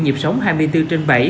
nhịp sống hai mươi bốn trên bảy